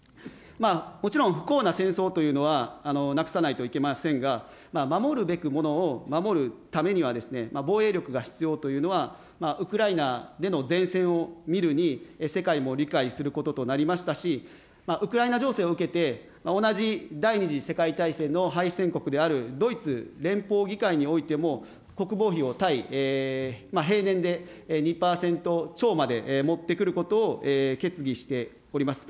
もちろん、不幸な戦争というのはなくさないといけませんが、守るべくものを守るためには、防衛力が必要というのは、ウクライナでの善戦を見るに世界も理解することとなりましたし、ウクライナ情勢を受けて、同じ第２次世界大戦の敗戦国であるドイツ連邦議会においても、国防費を対平年で２％超までもってくることを決議しております。